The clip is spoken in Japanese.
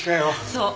そう。